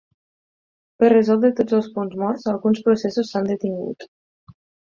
Per resoldre tots els punts morts, alguns processos s'han detingut.